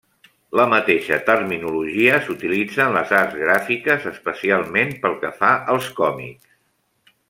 La mateixa terminologia s'utilitza en les arts gràfiques, especialment pel que fa als còmics.